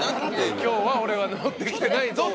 今日は俺は持ってきてないぞって。